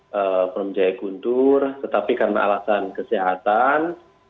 di rutan permenjaya guntur tetapi karena alasan kesehatan